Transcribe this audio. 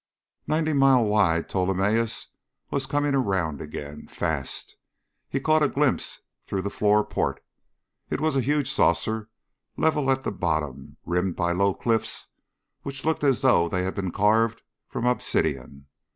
Ninety mile wide Ptolemaeus was coming around again fast. He caught a glimpse through the floor port. It was a huge saucer, level at the bottom, rimmed by low cliffs which looked as though they had been carved from obsidian.